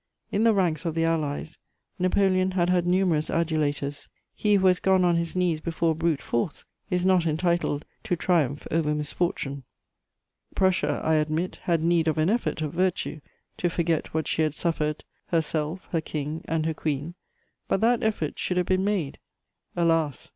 In the ranks of the Allies, Napoleon had had numerous adulators: he who has gone on his knees before brute force is not entitled to triumph over misfortune. Prussia, I admit, had need of an effort of virtue to forget what she had suffered, herself, her King and her Queen; but that effort should have been made. Alas!